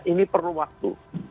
ini perlu waktu